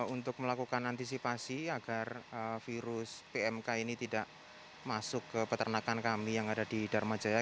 untuk melakukan antisipasi agar virus pmk ini tidak masuk ke peternakan kami yang ada di dharma jaya